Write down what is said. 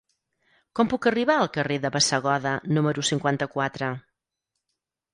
Com puc arribar al carrer de Bassegoda número cinquanta-quatre?